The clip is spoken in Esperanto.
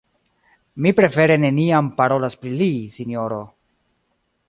Mi prefere neniam parolas pri li, sinjoro.